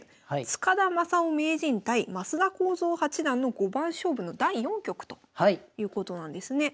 塚田正夫名人対升田幸三八段の五番勝負の第４局ということなんですね。